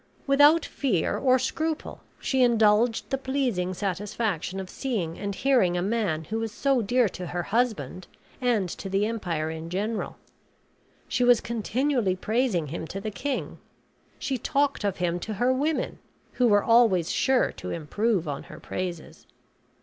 Without fear or scruple, she indulged the pleasing satisfaction of seeing and hearing a man who was so dear to her husband and to the empire in general. She was continually praising him to the king. She talked of him to her women, who were always sure to improve on her praises.